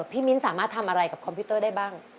มิ้นสามารถทำอะไรกับคอมพิวเตอร์ได้บ้าง